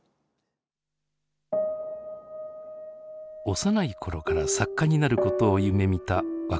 幼い頃から作家になることを夢みた若竹さん。